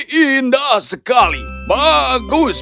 sangat indah bagus